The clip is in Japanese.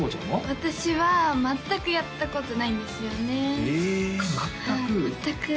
私は全くやったことないんですよねえ全く？